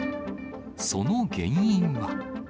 その原因は。